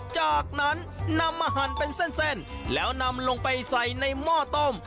จากนั้นนำมาหั่นเป็นเส้นแล้วนำลงไปใส่ในหม้อต้ม